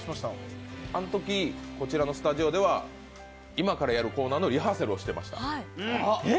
あのときこちらのスタジオでは今からやるコーナーのリハーサルをしていました。